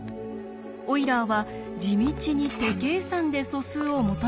オイラーは地道に手計算で素数を求めていきました。